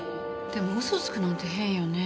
でも嘘をつくなんて変よね。